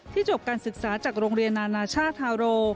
ที่จบการศึกษาจากโรงเรียนอนาชาธารโร